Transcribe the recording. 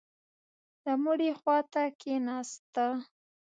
د مړي خوا ته کښېناسته.